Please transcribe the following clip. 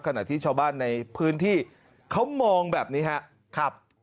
ขณะที่ชาวบ้านในพื้นที่เขามองแบบนี้ครับ